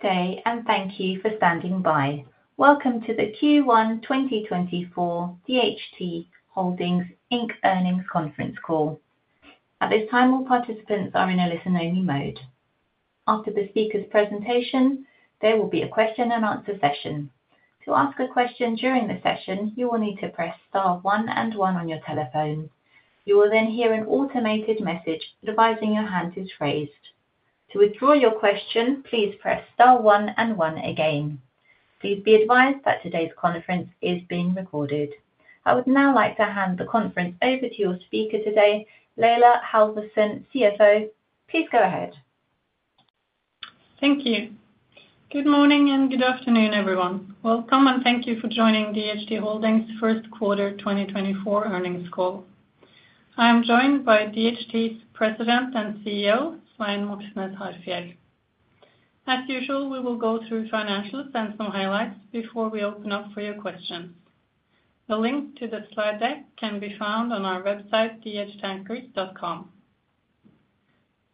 Good day, and thank you for standing by. Welcome to the Q1 2024 DHT Holdings Inc. Earnings Conference Call. At this time, all participants are in a listen-only mode. After the speaker's presentation, there will be a question and answer session. To ask a question during the session, you will need to press star one and one on your telephone. You will then hear an automated message advising your hand is raised. To withdraw your question, please press star one and one again. Please be advised that today's conference is being recorded. I would now like to hand the conference over to your speaker today, Laila Halvorsen, CFO. Please go ahead. Thank you. Good morning, and good afternoon, everyone. Welcome, and thank you for joining DHT Holdings Q1 2024 Earnings Call. I am joined by DHT's President and CEO, Svein Moxnes Harfjeld. As usual, we will go through financials and some highlights before we open up for your questions. The link to the slide deck can be found on our website, dhtankers.com.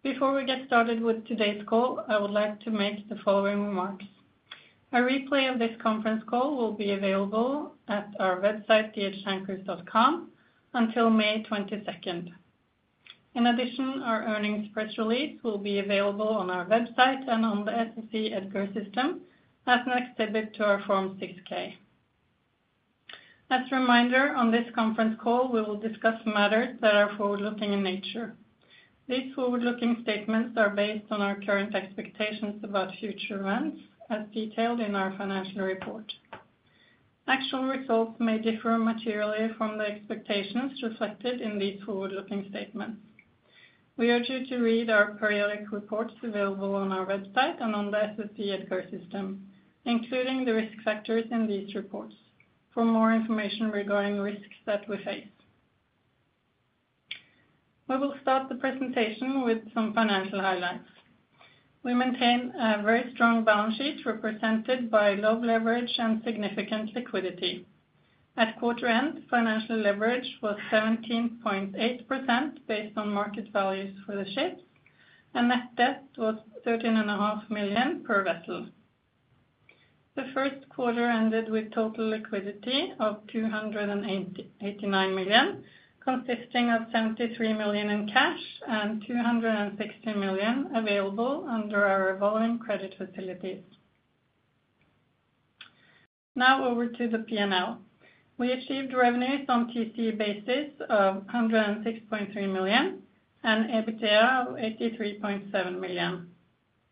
Before we get started with today's call, I would like to make the following remarks. A replay of this conference call will be available at our website, dhtankers.com, until May 22. In addition, our earnings press release will be available on our website and on the SEC Edgar system as an exhibit to our Form 6-K. As a reminder, on this conference call, we will discuss matters that are forward-looking in nature. These forward-looking statements are based on our current expectations about future events, as detailed in our financial report. Actual results may differ materially from the expectations reflected in these forward-looking statements. We urge you to read our periodic reports available on our website and on the SEC Edgar system, including the risk factors in these reports, for more information regarding risks that we face. We will start the presentation with some financial highlights. We maintain a very strong balance sheet, represented by low leverage and significant liquidity. At quarter end, financial leverage was 17.8% based on market values for the ships, and net debt was $13.5 million per vessel. Q1 ended with total liquidity of $289 million, consisting of $73 million in cash and 260 million available under our revolving credit facilities. Now over to the P&L. We achieved revenues on TC basis of $106.3 million and EBITDA of $83.7 million.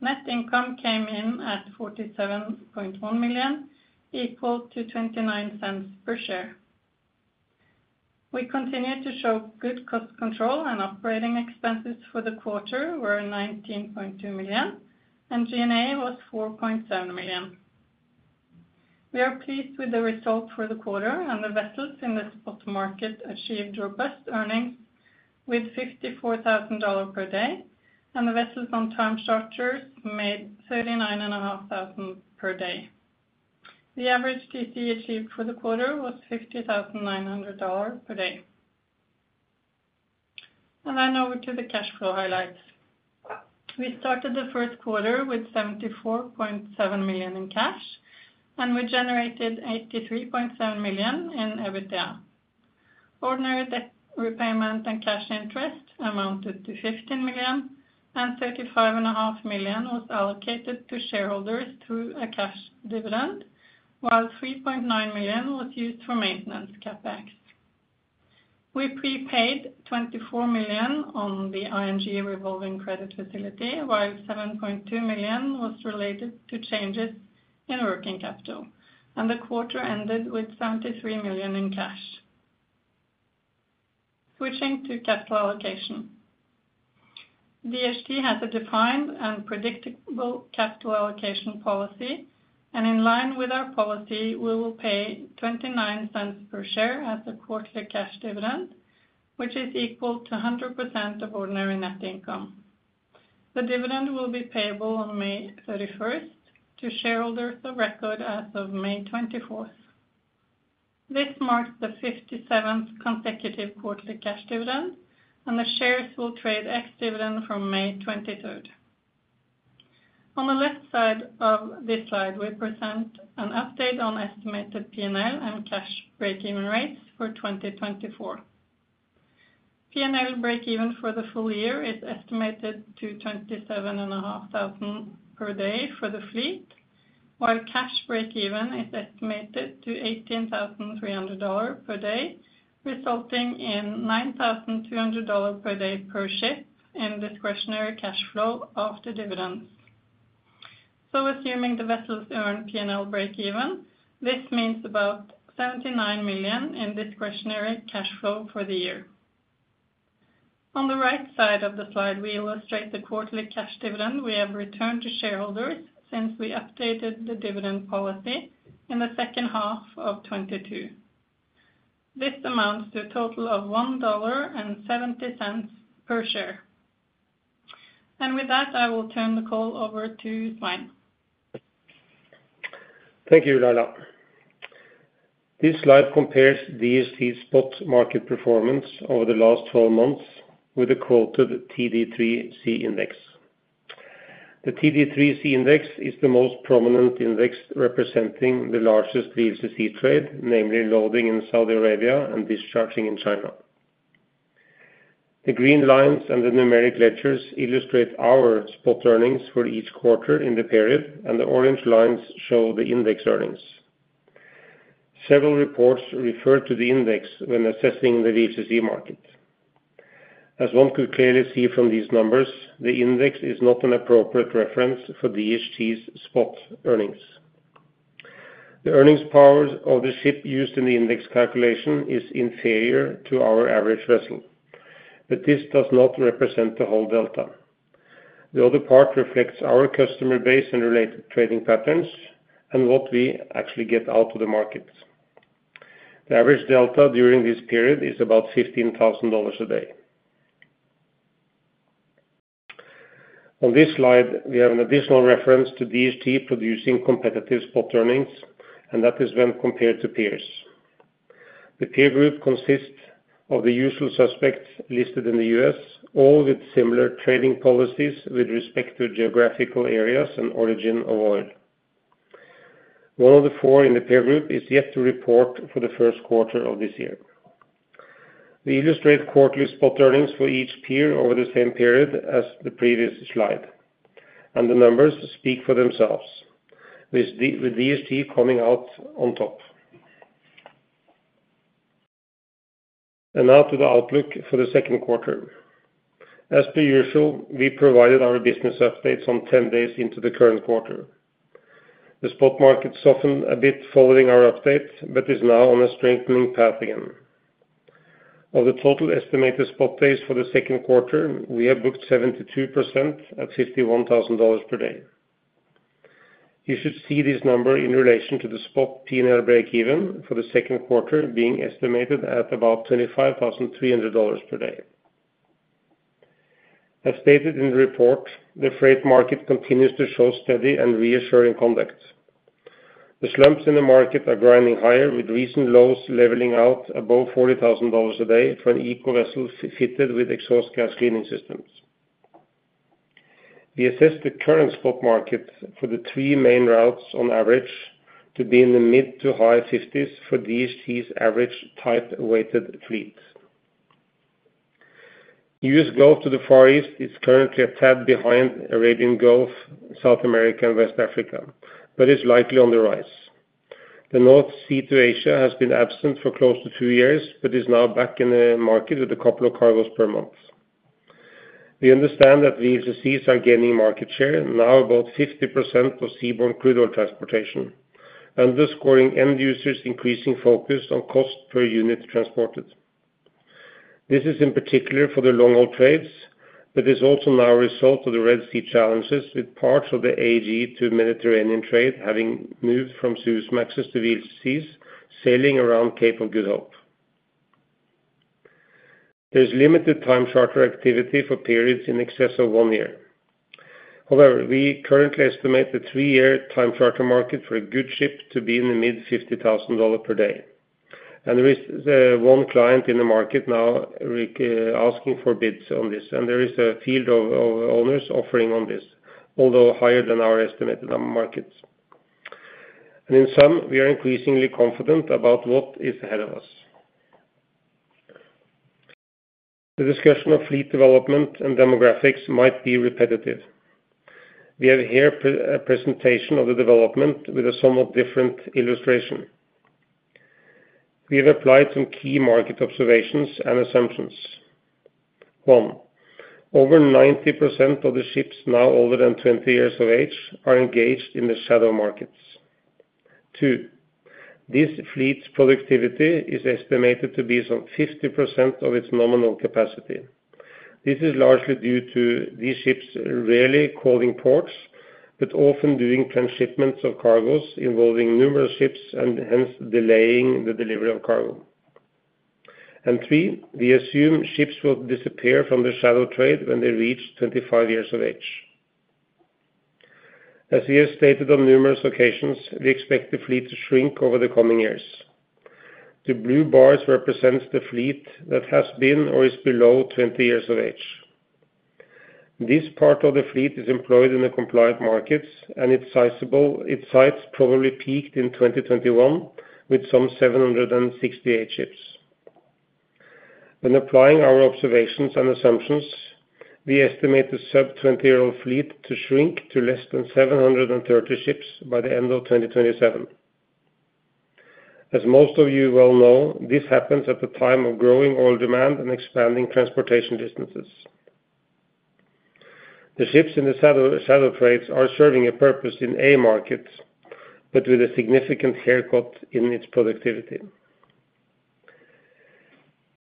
Net income came in at $47.1 million, equal to 0.29 per share. We continued to show good cost control, and operating expenses for the quarter were $19.2 million, and G&A was $4.7 million. We are pleased with the results for the quarter, and the vessels in the spot market achieved robust earnings with $54,000 per day, and the vessels on time structures made $39,500 per day. The average TC achieved for the quarter was $50,900 per day. And then over to the cash flow highlights. We started Q1 with $74.7 million in cash, and we generated $83.7 million in EBITDA. Ordinary debt repayment and cash interest amounted to $15 and 35.5 million was allocated to shareholders through a cash dividend, while $3.9 million was used for maintenance CapEx. We prepaid $24 million on the ING revolving credit facility, while $7.2 million was related to changes in working capital, and the quarter ended with $73 million in cash. Switching to capital allocation. DHT has a defined and predictable capital allocation policy, and in line with our policy, we will pay $0.29 per share as a quarterly cash dividend, which is equal to 100% of ordinary net income. The dividend will be payable on May 31 to shareholders of record as of May 24. This marks the 57th consecutive quarterly cash dividend, and the shares will trade ex-dividend from May 23. On the left side of this slide, we present an update on estimated P&L and cash break-even rates for 2024. P&L break-even for the full year is estimated to $27,500 per day for the fleet, while cash break-even is estimated to $18,300 per day, resulting in $9,200 per day per ship in discretionary cash flow after dividends. So assuming the vessels earn P&L break even, this means about $79 million in discretionary cash flow for the year. On the right side of the slide, we illustrate the quarterly cash dividend we have returned to shareholders since we updated the dividend policy in the second half of 2022. This amounts to a total of $1.70 per share. And with that, I will turn the call over to Svein. Thank you, Laila. This slide compares DHT spot market performance over the last twelve months with the quoted TD3C index. The TD3C index is the most prominent index representing the largest VLCC trade, namely loading in Saudi Arabia and discharging in China. The green lines and the numeric legends illustrate our spot earnings for each quarter in the period, and the orange lines show the index earnings. Several reports refer to the index when assessing the VLCC market. As one could clearly see from these numbers, the index is not an appropriate reference for DHT's spot earnings. The earnings powers of the ship used in the index calculation is inferior to our average vessel, but this does not represent the whole delta. The other part reflects our customer base and related trading patterns and what we actually get out to the market. The average delta during this period is about $15,000 a day. On this slide, we have an additional reference to DHT producing competitive spot earnings, and that is when compared to peers. The peer group consists of the usual suspects listed in the U.S., all with similar trading policies with respect to geographical areas and origin of oil. One of the four in the peer group is yet to report for Q1 of this year. We illustrate quarterly spot earnings for each peer over the same period as the previous slide, and the numbers speak for themselves, with DHT coming out on top. Now to the outlook for the second quarter. As per usual, we provided our business updates on 10 days into the current quarter. The spot market softened a bit following our update, but is now on a strengthening path again. Of the total estimated spot days for the second quarter, we have booked 72% at $51,000 per day. You should see this number in relation to the spot P&L breakeven for the second quarter being estimated at about $25,300 per day. As stated in the report, the freight market continues to show steady and reassuring conduct. The slumps in the market are grinding higher, with recent lows leveling out above $40,000 a day for an eco vessel fitted with exhaust gas cleaning systems. We assess the current spot market for the three main routes on average to be in the mid- to high 50s for DHT's average type-weighted fleet. US Gulf to the Far East is currently a tad behind Arabian Gulf, South America, and West Africa, but is likely on the rise. The North Sea to Asia has been absent for close to two years, but is now back in the market with a couple of cargos per month. We understand that the VLCCs are gaining market share, now about 50% of seaborne crude oil transportation, underscoring end users increasing focus on cost per unit transported. This is in particular for the long-haul trades, but is also now a result of the Red Sea challenges, with parts of the AG to Mediterranean trade having moved from Suezmaxes to VLCCs, sailing around Cape of Good Hope. There's limited time charter activity for periods in excess of one year. However, we currently estimate the three-year time charter market for a good ship to be in the mid-$50,000 per day. There is one client in the market now asking for bids on this, and there is a field of owners offering on this, although higher than our estimated markets. In sum, we are increasingly confident about what is ahead of us. The discussion of fleet development and demographics might be repetitive. We have here a presentation of the development with a somewhat different illustration. We have applied some key market observations and assumptions. One, over 90% of the ships now older than 20 years of age are engaged in the shadow markets. Two, this fleet's productivity is estimated to be some 50% of its nominal capacity. This is largely due to these ships rarely calling ports, but often doing transshipments of cargos involving numerous ships and hence delaying the delivery of cargo. And three, we assume ships will disappear from the shadow trade when they reach 25 years of age. As we have stated on numerous occasions, we expect the fleet to shrink over the coming years. The blue bars represents the fleet that has been or is below 20 years of age. This part of the fleet is employed in the compliant markets, and its size probably peaked in 2021, with some 768 ships. When applying our observations and assumptions, we estimate the sub 20-year-old fleet to shrink to less than 730 ships by the end of 2027. As most of you well know, this happens at the time of growing oil demand and expanding transportation distances. The ships in the shadow trades are serving a purpose in a market, but with a significant haircut in its productivity.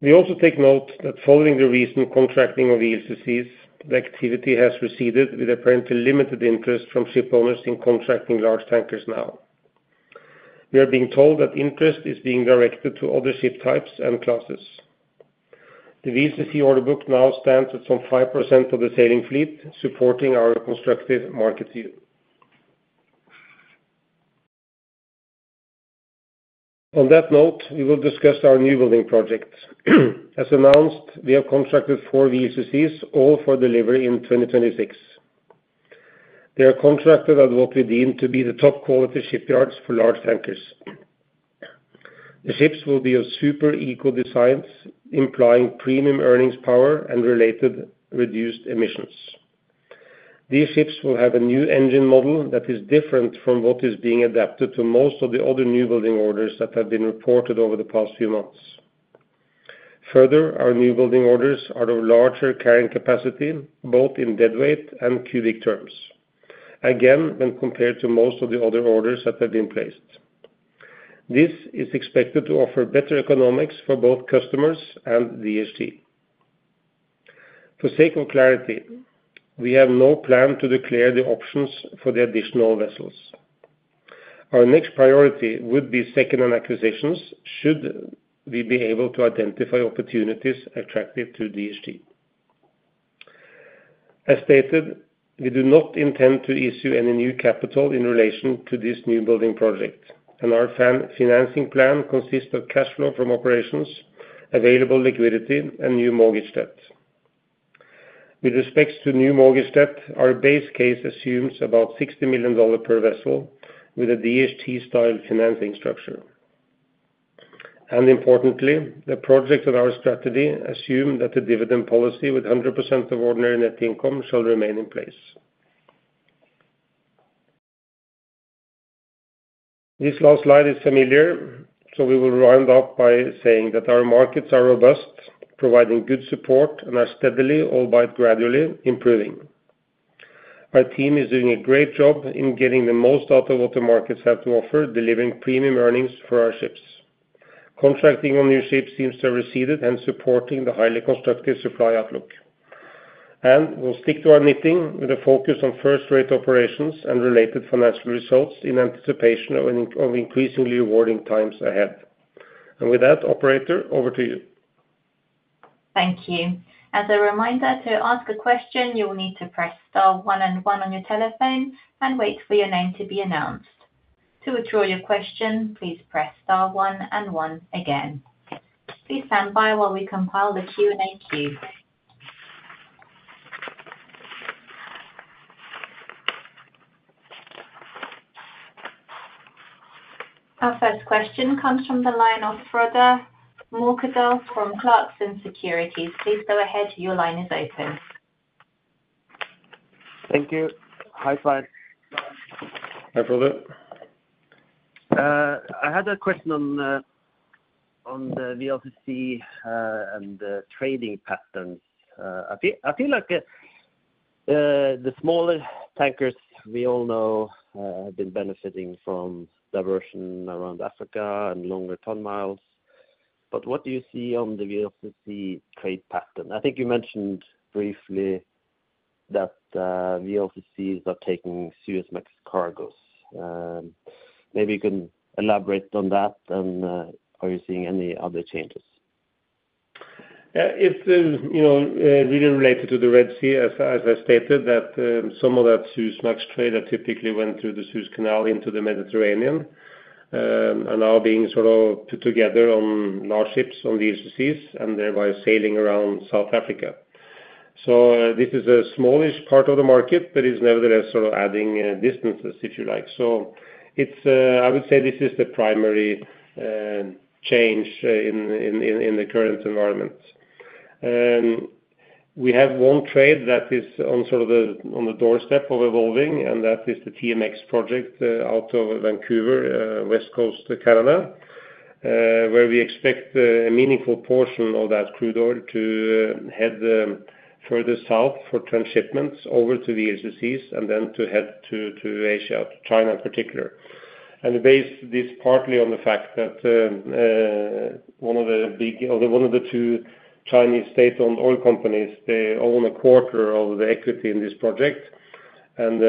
We also take note that following the recent contracting of VLCCs, the activity has receded, with apparently limited interest from shipowners in contracting large tankers now. We are being told that interest is being directed to other ship types and classes. The VLCC order book now stands at some 5% of the sailing fleet, supporting our constructive market view. On that note, we will discuss our new building project. As announced, we have contracted four VLCCs, all for delivery in 2026. They are contracted at what we deem to be the top quality shipyards for large tankers. The ships will be of super eco designs, implying premium earnings power and related reduced emissions. These ships will have a new engine model that is different from what is being adapted to most of the other new building orders that have been reported over the past few months. Further, our new building orders are of larger carrying capacity, both in deadweight and cubic terms. Again, when compared to most of the other orders that have been placed. This is expected to offer better economics for both customers and DHT. For the sake of clarity, we have no plan to declare the options for the additional vessels. Our next priority would be second-hand acquisitions, should we be able to identify opportunities attractive to DHT. As stated, we do not intend to issue any new capital in relation to this new building project, and our debt-financing plan consists of cash flow from operations, available liquidity, and new mortgage debt. With respect to new mortgage debt, our base case assumes about $60 million per vessel, with a DHT-style financing structure. Importantly, the product of our strategy assume that the dividend policy with 100% of ordinary net income shall remain in place. This last slide is familiar, so we will wrap up by saying that our markets are robust, providing good support, and are steadily, albeit gradually, improving. Our team is doing a great job in getting the most out of what the markets have to offer, delivering premium earnings for our ships. Contracting on new ships seems to have receded, supporting the highly constructive supply outlook. And we'll stick to our knitting with a focus on first-rate operations and related financial results in anticipation of an increasingly rewarding times ahead. And with that, operator, over to you. Thank you. As a reminder, to ask a question, you will need to press star one and one on your telephone and wait for your name to be announced. To withdraw your question, please press star one and one again. Please stand by while we compile the Q&A queue. Our first question comes from the line of Frode Mørkedal from Clarksons Securities. Please go ahead, your line is open. Thank you. Hi, Svein. Hi, Frode. I had a question on the VLCC and the trading patterns. I feel like the smaller tankers we all know have been benefiting from diversion around Africa and longer ton miles. But what do you see on the VLCC trade pattern? I think you mentioned briefly that VLCCs are taking Suezmax cargoes. Maybe you can elaborate on that, and are you seeing any other changes? It's you know really related to the Red Sea, as I stated, that some of that Suezmax trade that typically went through the Suez Canal into the Mediterranean are now being sort of put together on large ships, on the VLCCs, and thereby sailing around South Africa. So this is a smallish part of the market, but is nevertheless sort of adding distances, if you like. So it's I would say this is the primary change in the current environment. We have one trade that is on sort of the doorstep of evolving, and that is the TMX project, out of Vancouver, West Coast Canada, where we expect a meaningful portion of that crude oil to head further south for transshipments over to the VLCCs and then to head to Asia, to China in particular. And we base this partly on the fact that one of the two Chinese state-owned oil companies, they own a quarter of the equity in this project. And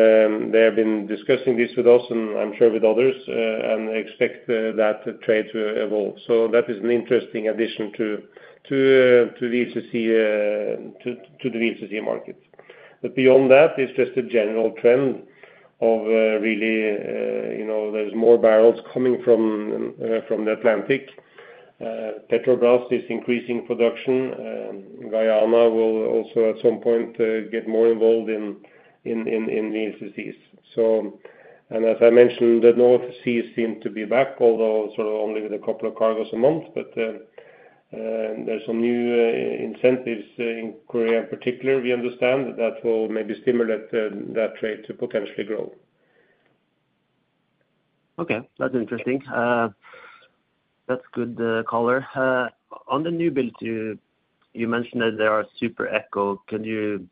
they have been discussing this with us, and I'm sure with others, and expect that trade to evolve. So that is an interesting addition to the VLCC market. But beyond that, it's just a general trend of really, you know, there's more barrels coming from the Atlantic. Petrobras is increasing production. Guyana will also, at some point, get more involved in VLCCs. So, and as I mentioned, the North Sea seem to be back, although sort of only with a couple of cargoes a month, but there's some new incentives in Korea in particular, we understand, that will maybe stimulate that trade to potentially grow. Okay. That's interesting. That's good color. On the new build, you mentioned that they are super eco. Can you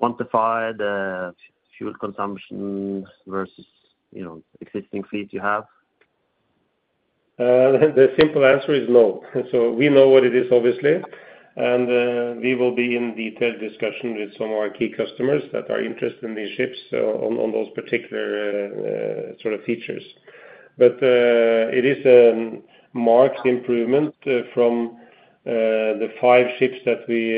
quantify the fuel consumption versus, you know, existing fleets you have? The simple answer is no. So we know what it is, obviously, and we will be in detailed discussion with some of our key customers that are interested in these ships, so on, on those particular sort of features, but it is a marked improvement from the five ships that we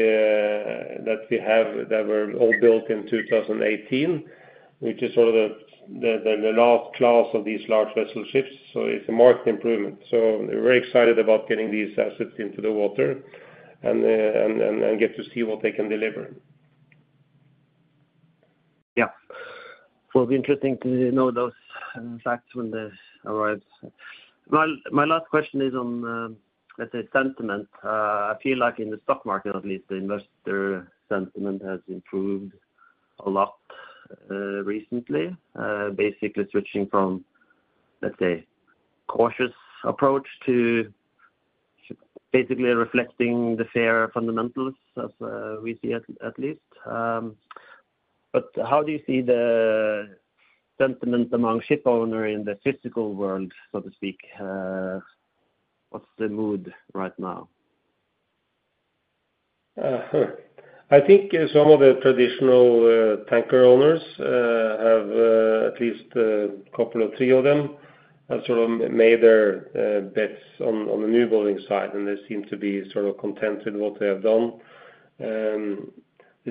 have that were all built in 2018, which is sort of the last class of these large vessel ships. So it's a marked improvement. So we're very excited about getting these assets into the water, and get to see what they can deliver. Yeah. Will be interesting to know those facts when this arrives. Well, my last question is on, let's say sentiment. I feel like in the stock market, at least the investor sentiment has improved a lot, recently. Basically switching from, let's say, cautious approach to basically reflecting the fair fundamentals as we see at least. But how do you see the sentiment among shipowners in the physical world, so to speak? What's the mood right now? I think some of the traditional tanker owners have at least a couple or three of them have sort of made their bets on the new building side, and they seem to be sort of content with what they have done. They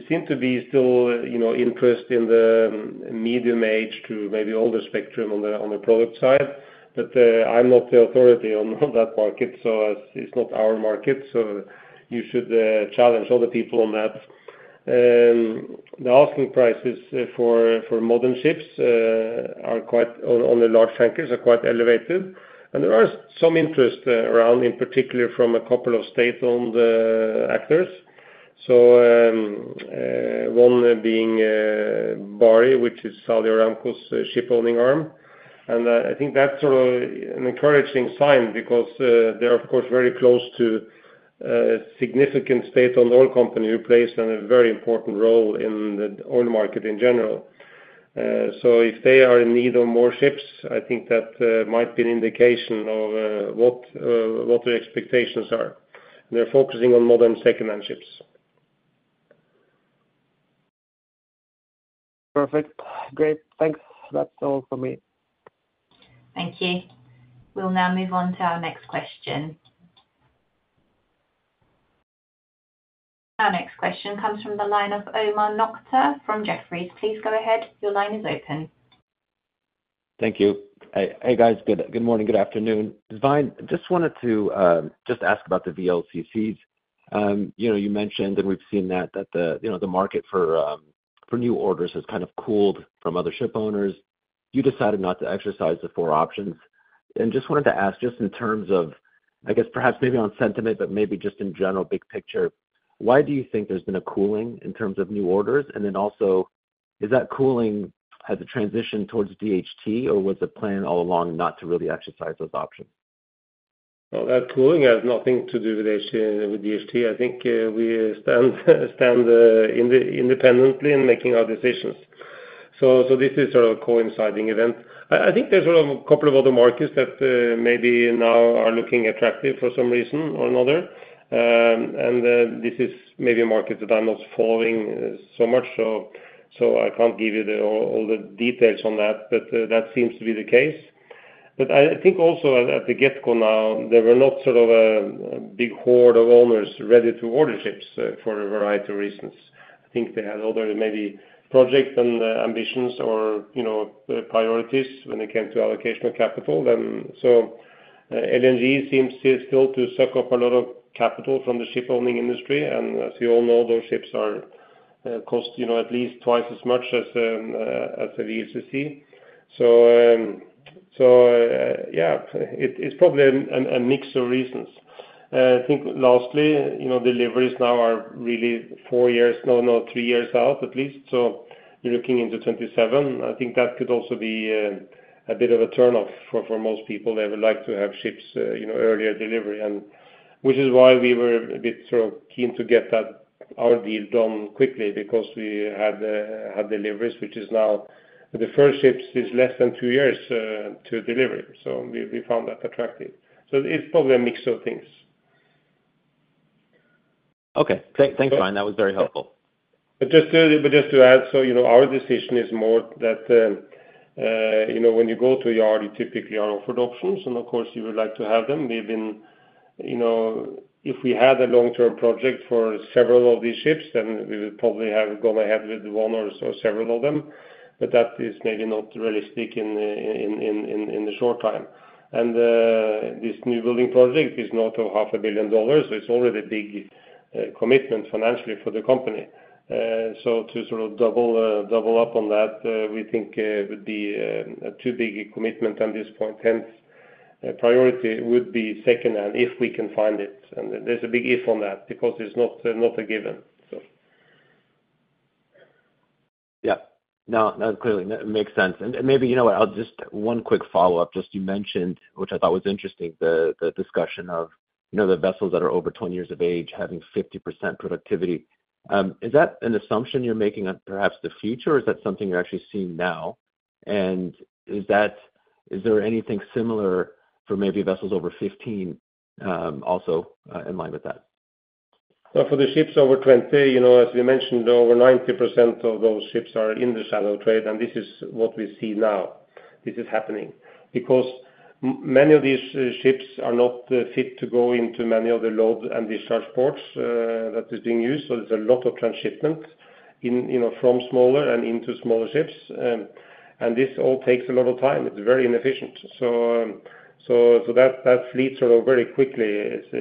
seem to be still, you know, interested in the medium age to maybe older spectrum on the product side. But I'm not the authority on that market, so it's not our market, so you should challenge other people on that. The asking prices for modern ships are quite on the large tankers are quite elevated. And there are some interest around, in particular from a couple of state-owned actors. One being Bahri, which is Saudi Aramco's shipowning arm. I think that's sort of an encouraging sign because they are, of course, very close to significant state-owned oil company who plays a very important role in the oil market in general. So if they are in need of more ships, I think that might be an indication of what, what their expectations are. They're focusing on modern secondhand ships. Perfect. Great. Thanks. That's all for me. Thank you. We'll now move on to our next question. Our next question comes from the line of Omar Nokta from Jefferies. Please go ahead. Your line is open. Thank you. Hey, hey, guys. Good, good morning, good afternoon. Svein, just wanted to just ask about the VLCCs. You know, you mentioned and we've seen that the market for new orders has kind of cooled from other shipowners. You decided not to exercise the four options. And just wanted to ask, just in terms of, I guess perhaps maybe on sentiment, but maybe just in general, big picture, why do you think there's been a cooling in terms of new orders? And then also, is that cooling as a transition towards DHT, or was the plan all along not to really exercise those options? Well, that cooling has nothing to do with DHT. I think we stand independently in making our decisions. So this is sort of a coinciding event. I think there's sort of a couple of other markets that maybe now are looking attractive for some reason or another. And this is maybe a market that I'm not following so much, so I can't give you all the details on that, but that seems to be the case. But I think also at the get-go now, there were not sort of a big hoard of owners ready to order ships for a variety of reasons. I think they had other maybe projects and ambitions or, you know, priorities when it came to allocation of capital. So, LNG seems to still to suck up a lot of capital from the shipowning industry, and as you all know, those ships are cost, you know, at least twice as much as a VLCC. So, yeah, it's probably a mix of reasons. I think lastly, you know, deliveries now are really four years, no, no, three years out at least, so you're looking into 2027. I think that could also be a bit of a turnoff for most people. They would like to have ships, you know, earlier delivery, and which is why we were a bit sort of keen to get that, our deal done quickly because we had deliveries, which is now... The first ships is less than two years to deliver, so we found that attractive. It's probably a mix of things. Okay. Thanks, Svein. That was very helpful. But just to add, so you know, our decision is more that, you know, when you go to a yard, you typically are offered options, and of course, you would like to have them. Even, you know, if we had a long-term project for several of these ships, then we would probably have gone ahead with one or several of them, but that is maybe not realistic in the short time. And this new building project is not $500 million. It's already a big commitment financially for the company. So to sort of double up on that, we think would be a too big a commitment at this point, hence, priority would be second, and if we can find it. There's a big if on that, because it's not a given, so. Yeah. No, no, clearly makes sense. And maybe, you know what, I'll just one quick follow-up. Just you mentioned, which I thought was interesting, the discussion of, you know, the vessels that are over 20 years of age having 50% productivity. Is that an assumption you're making on perhaps the future, or is that something you're actually seeing now? And is that—is there anything similar for maybe vessels over 15, also in line with that? Well, for the ships over 20, you know, as we mentioned, over 90% of those ships are in the shadow trade, and this is what we see now. This is happening because many of these ships are not fit to go into many of the load and discharge ports that is being used. So there's a lot of transshipment in, you know, from smaller and into smaller ships. And this all takes a lot of time. It's very inefficient. So that fleet sort of very quickly is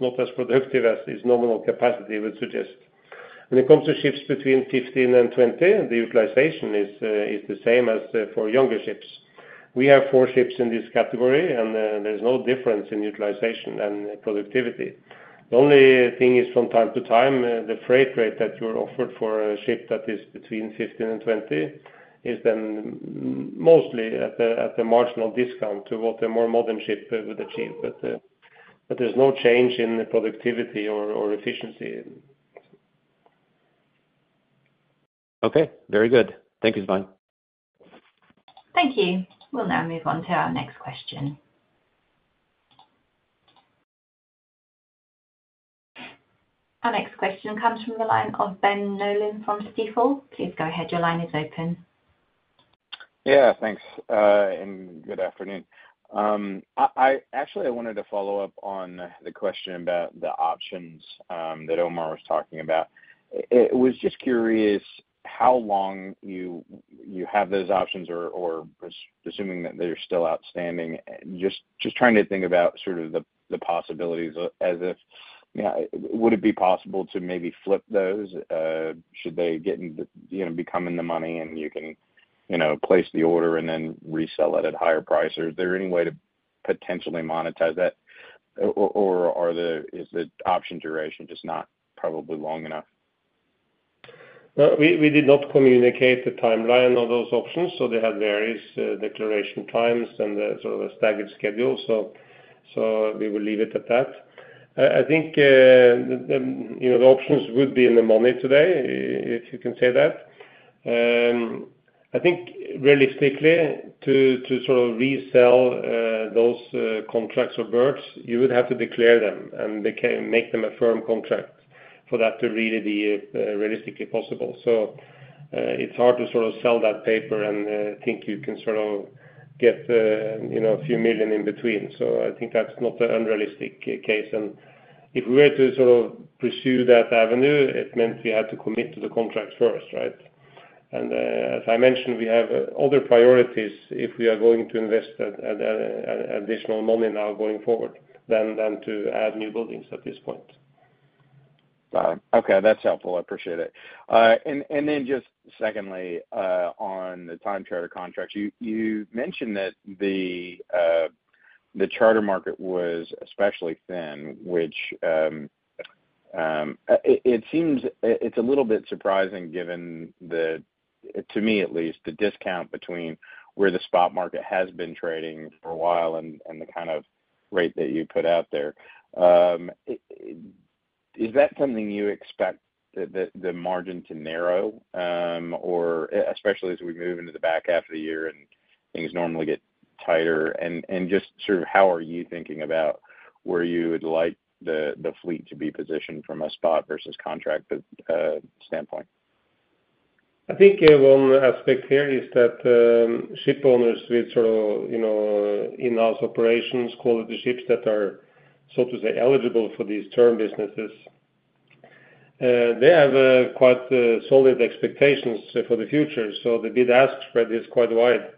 not as productive as its nominal capacity would suggest. When it comes to ships between 15 and 20, the utilization is the same as for younger ships. We have four ships in this category, and there's no difference in utilization and productivity. The only thing is from time to time, the freight rate that you are offered for a ship that is between 15 and 20 is then mostly at the marginal discount to what a more modern ship would achieve. But there's no change in the productivity or efficiency. Okay, very good. Thank you, Svein. Thank you. We'll now move on to our next question. Our next question comes from the line of Ben Nolan from Stifel. Please go ahead. Your line is open. Yeah, thanks. Good afternoon. Actually, I wanted to follow up on the question about the options that Omar was talking about. I was just curious how long you have those options or assuming that they're still outstanding, just trying to think about the possibilities as if, you know, would it be possible to maybe flip those should they get into, you know, become in the money and you can, you know, place the order and then resell it at a higher price? Or is there any way to potentially monetize that, or is the option duration just not probably long enough? Well, we did not communicate the timeline of those options, so they have various declaration times and sort of a staggered schedule. So we will leave it at that. I think, you know, the options would be in the money today, if you can say that. I think realistically, to sort of resell those contracts or berths, you would have to declare them, and they can make them a firm contract for that to really be realistically possible. So it's hard to sort of sell that paper and think you can sort of get, you know, a few million in between. So I think that's not an unrealistic case. And if we were to sort of pursue that avenue, it meant we had to commit to the contract first, right? As I mentioned, we have other priorities if we are going to invest at additional money now going forward than to add new buildings at this point. Okay, that's helpful. I appreciate it. And then just secondly, on the time charter contracts, you mentioned that the charter market was especially thin, which it seems it's a little bit surprising given the, to me at least, the discount between where the spot market has been trading for a while and the kind of rate that you put out there. Is that something you expect, the margin to narrow, or especially as we move into the back half of the year and things normally get tighter? And just sort of how are you thinking about where you would like the fleet to be positioned from a spot versus contract standpoint? I think, one aspect here is that, shipowners with sort of, you know, in-house operations, quality ships that are, so to say, eligible for these term businesses, they have, quite, solid expectations for the future, so the bid-ask spread is quite wide.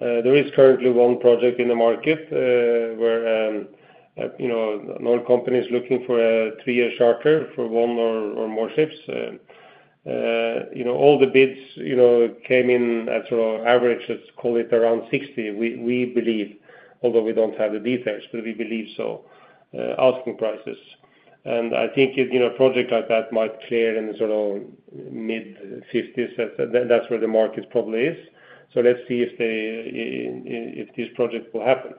There is currently one project in the market, where, you know, an oil company is looking for a three-year charter for one or, or more ships. You know, all the bids, you know, came in at, sort of, average, let's call it around $60. We, we believe, although we don't have the details, but we believe so, asking prices. And I think if, you know, a project like that might clear in the, sort of, mid-$50s, that, that's where the market probably is. So let's see if the, if this project will happen.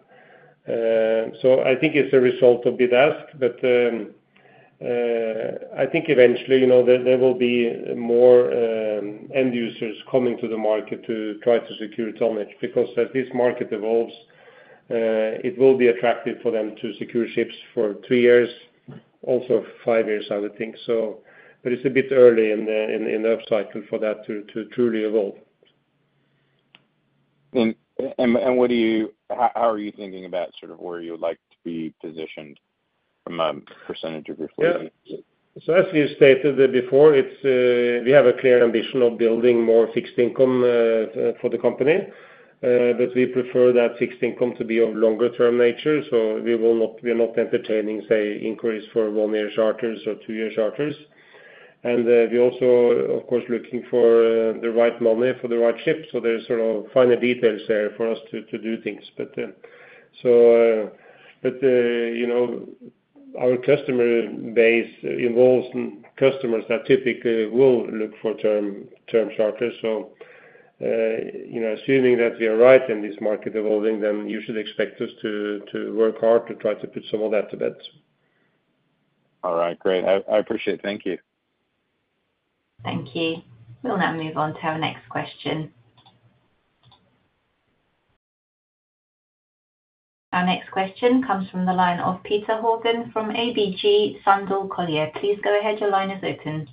So I think it's a result of bid-ask, but I think eventually, you know, there will be more end users coming to the market to try to secure tonnage. Because as this market evolves, it will be attractive for them to secure ships for three years, also five years, I would think so. But it's a bit early in the upcycle for that to truly evolve. How are you thinking about sort of where you would like to be positioned from a percentage of your fleet? Yeah. So as we stated before, it's, we have a clear ambition of building more fixed income for the company. But we prefer that fixed income to be of longer term nature, so we will not, we are not entertaining, say, inquiries for one-year charters or two-year charters. And we also, of course, looking for, the right money for the right ship. So there's sort of final details there for us to, to do things. But so but you know, our customer base involves customers that typically will look for term, term charters. So you know, assuming that we are right in this market evolving, then you should expect us to, to work hard to try to put some of that to bed. All right, great. I, I appreciate it. Thank you. Thank you. We'll now move on to our next question. Our next question comes from the line of Petter Haugen from ABG Sundal Collier. Please go ahead. Your line is open.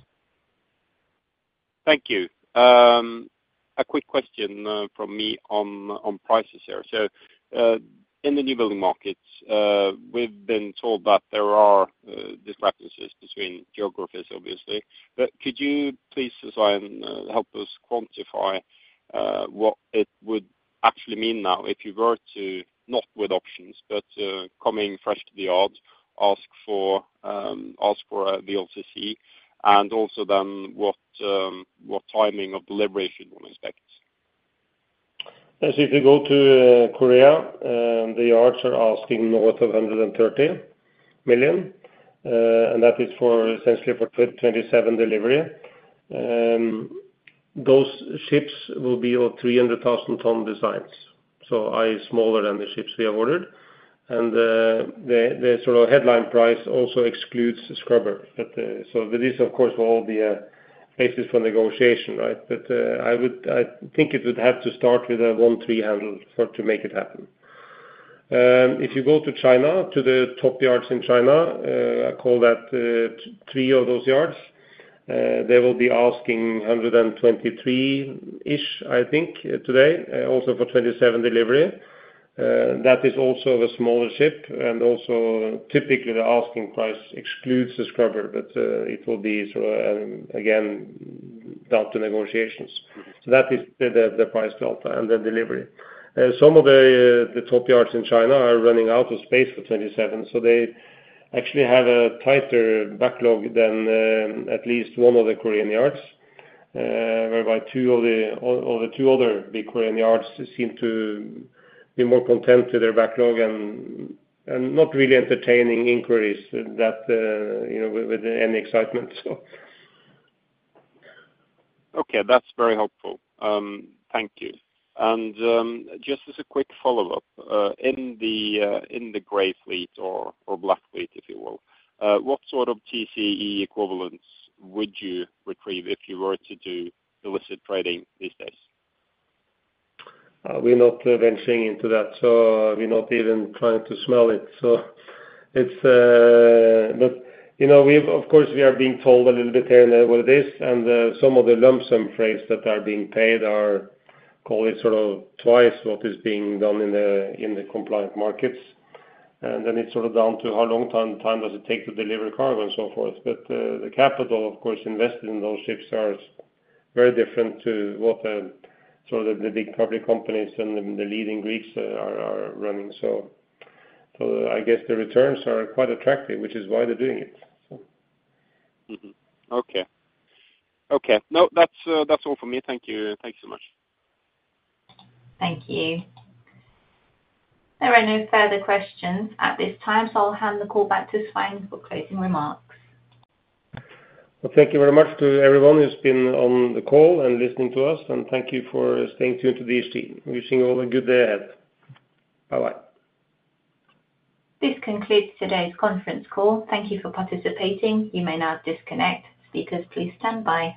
Thank you. A quick question from me on prices here. So, in the new building markets, we've been told that there are discrepancies between geographies, obviously. But could you please help us quantify what it would actually mean now if you were to, not with options, but coming fresh to the yard, ask for the eco, and also then what timing of delivery should one expect? As if you go to Korea, the yards are asking north of $130 million, and that is for essentially 2027 delivery. Those ships will be of 300,000-ton designs, so i.e. smaller than the ships we have ordered. And the sort of headline price also excludes scrubber. But so but this, of course, will all be basis for negotiation, right? But I think it would have to start with $130 handle for it to make it happen. If you go to China, to the top yards in China, I call that three of those yards, they will be asking $123-ish, I think, today, also for 2027 delivery. That is also the smaller ship, and also typically the asking price excludes the scrubber. But, it will be sort of, again, down to negotiations. So that is the price delta and the delivery. Some of the top yards in China are running out of space for 2027, so they actually have a tighter backlog than at least one of the Korean yards. Whereby two of the other big Korean yards seem to be more content to their backlog and not really entertaining inquiries that, you know, with any excitement, so. Okay, that's very helpful. Thank you. And just as a quick follow-up, in the gray fleet or black fleet, if you will, what sort of TCE equivalence would you retrieve if you were to do illicit trading these days? We're not venturing into that, so we're not even trying to smell it. So it's... But, you know, we've-- of course, we are being told a little bit here and there what it is, and some of the lump sum prices that are being paid are, call it sort of twice what is being done in the, in the compliant markets. And then it's sort of down to how long time does it take to deliver cargo and so forth. But the capital, of course, invested in those ships are very different to what sort of the big public companies and the leading Greeks are running. So, so I guess the returns are quite attractive, which is why they're doing it, so. Mm-hmm. Okay. Okay, no, that's, that's all for me. Thank you. Thank you so much. Thank you. There are no further questions at this time, so I'll hand the call back to Svein for closing remarks. Well, thank you very much to everyone who's been on the call and listening to us, and thank you for staying tuned to DHT. Wishing you all a good day ahead. Bye-bye. This concludes today's conference call. Thank you for participating. You may now disconnect. Speakers, please stand by.